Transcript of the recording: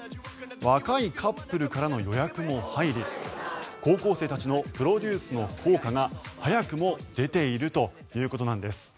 若いカップルからの予約も入り高校生たちのプロデュースの効果が早くも出ているということなんです。